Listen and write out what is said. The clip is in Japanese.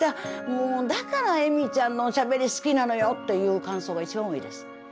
もうだから恵美ちゃんのおしゃべり好きなのよ」っていう感想が一番多いです。